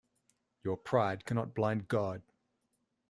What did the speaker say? Your pride cannot blind God!